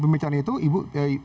pembicaraan itu ibu